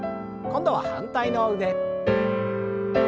今度は反対の腕。